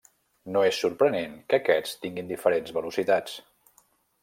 No és sorprenent que aquests tinguin diferents velocitats.